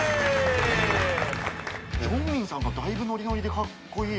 ジョンミンさんがだいぶノリノリでカッコいい。